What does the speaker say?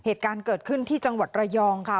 เหตุการณ์เกิดขึ้นที่จังหวัดระยองค่ะ